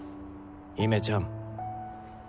姫ちゃん。